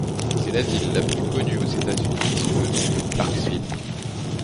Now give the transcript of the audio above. C'est la ville la plus connue aux États-Unis sous le nom de Clarksville.